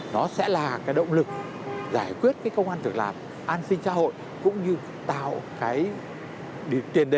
nó sẽ là cái động lực giải quyết cái công an thực làm an sinh xã hội cũng như tạo cái